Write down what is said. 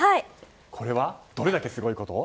これはどれだけすごいこと？